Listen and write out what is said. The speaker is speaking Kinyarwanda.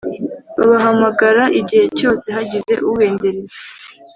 Babahamagara igihe cyose hagize ubendereza